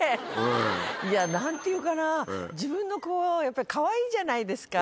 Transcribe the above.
何ていうかな自分の子やっぱりかわいいじゃないですか。